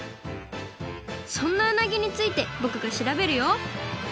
そんなうなぎについてぼくがしらべるよ。